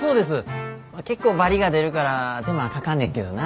結構バリが出るから手間かかんねんけどな。